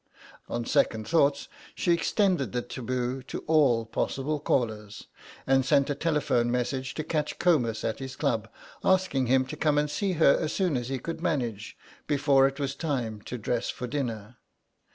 On second thoughts she extended the taboo to all possible callers, and sent a telephone message to catch Comus at his club, asking him to come and see her as soon as he could manage before it was time to dress for dinner.